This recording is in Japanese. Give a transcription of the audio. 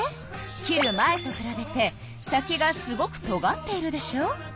切る前とくらべて先がすごくとがっているでしょ。